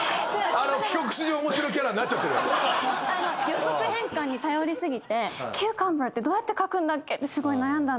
予測変換に頼り過ぎて「キューカンバー」ってどうやって書くんだっけ？ってすごい悩んだ。